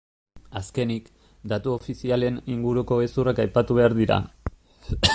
Azkenik, datu ofizialen inguruko gezurrak aipatu behar dira.